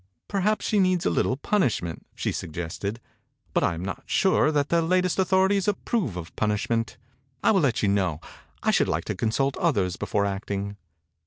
"Perhaps she needs a little punishment," she suggested, « but I am not sure that the latest au thorities approve of punishment. I will let you know. I should like to consult others before acting."